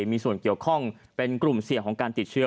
มีส่วนเกี่ยวข้องเป็นกลุ่มเสี่ยงของการติดเชื้อ